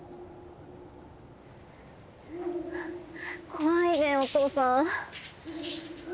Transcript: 怖いねお父さん。